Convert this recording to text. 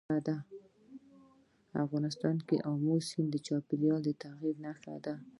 افغانستان کې آمو سیند د چاپېریال د تغیر نښه ده.